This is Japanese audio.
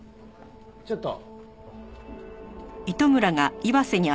ちょっと。